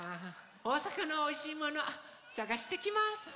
おおさかのおいしいものさがしてきます。